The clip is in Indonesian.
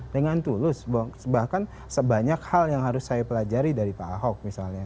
dengan tulus bahkan sebanyak hal yang harus saya pelajari dari pak ahok misalnya